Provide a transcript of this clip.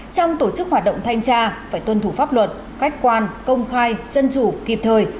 trong tổ chức hoạt động thanh tra phải tuân thủ pháp luật khách quan công khai dân chủ kịp thời